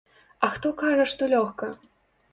А хто кажа, што лёгка?